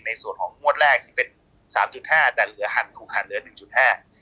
ในส่วนของมวดแรกที่เป็น๓๕ทีมและเหลือถูกหัน๑๕ทีม